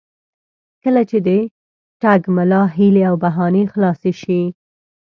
کله چې د ټګ ملا هیلې او بهانې خلاصې شي.